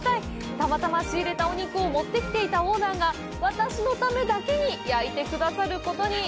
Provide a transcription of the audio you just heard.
たまたま仕入れたお肉を持ってきていたオーナーが私のためだけに焼いてくださることに！